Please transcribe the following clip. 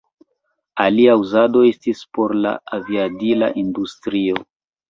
Alia uzado estis por la aviadila industrio.